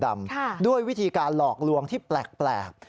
ด้วยวิธีการหลอกลวงที่แปลก